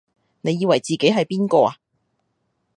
你以為自己係邊個啊？